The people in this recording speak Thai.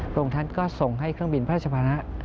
องค์ท่านก็ส่งให้เครื่องบินพระราชภาระ